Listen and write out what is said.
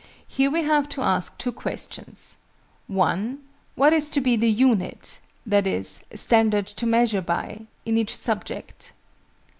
Here we have to ask two questions. (1) What is to be the "unit" (i.e. "standard to measure by") in each subject?